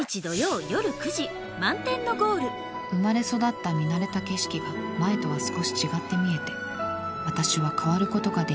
生まれ育った見慣れた景色が前とは少し違って見えて私は変わることができるだろうか。